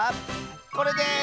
これです！